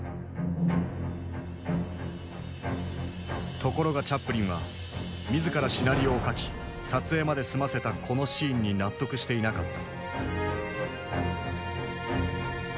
ところがチャップリンは自らシナリオを書き撮影まで済ませたこのシーンに納得していなかった。